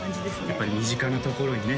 やっぱり身近なところにね